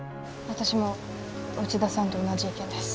私も内田さんと同じ意見です。